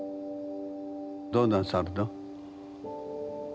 どうなさるの？